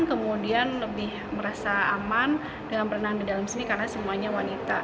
kemudian lebih merasa aman dengan berenang di dalam sini karena semuanya wanita